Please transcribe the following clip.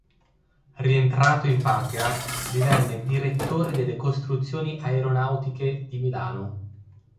Rientrato in Patria, divenne Direttore delle Costruzioni Aeronautiche di Milano.